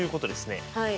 はい。